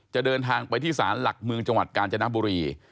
เดินทางไปที่ศาลหลักเมืองจังหวัดกาญจนบุรี